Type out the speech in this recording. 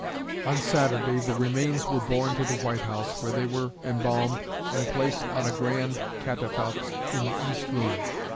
On Saturday the remains were borne to the White House, where they were embalmed and placed on a grand catafalque in the East Room.